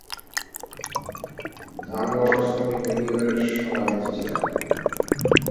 ধাঙ্গড় শ্রমিক ইউনিয়নের সভানেত্রী ছিলেন।